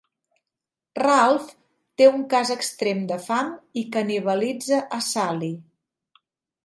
Ralph té un cas extrem de fam i canibalitza a Sally.